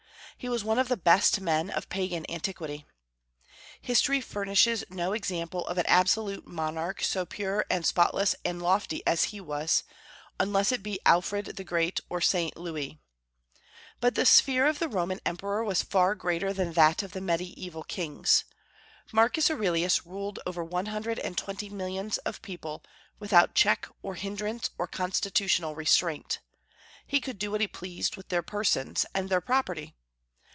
He was one of the best men of Pagan antiquity. History furnishes no example of an absolute monarch so pure and spotless and lofty as he was, unless it be Alfred the Great or St. Louis. But the sphere of the Roman emperor was far greater than that of the Mediaeval kings. Marcus Aurelius ruled over one hundred and twenty millions of people, without check or hindrance or Constitutional restraint. He could do what he pleased with their persons and their property.